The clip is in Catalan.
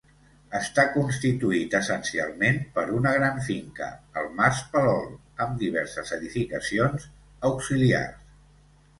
Està constituït essencialment per una gran finca, el Mas Palol, amb diverses edificacions auxiliars.